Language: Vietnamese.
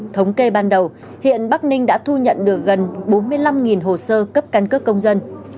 thống kê ban đầu hiện bắc ninh đã thu nhận được gần bốn mươi năm hồ sơ cấp căn cước công dân